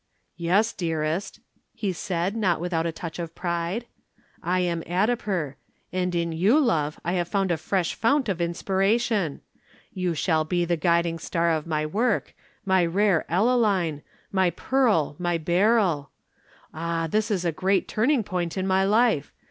"Yes, dearest," he said not without a touch of pride. "I am Addiper and in you, love, I have found a fresh fount of inspiration. You shall be the guiding star of my work, my rare Ellaline, my pearl, my beryl. Ah, this is a great turning point in my life.